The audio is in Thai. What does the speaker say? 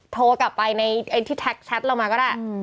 โทรกลับไปในที่แท็กแชทเรามาก็ได้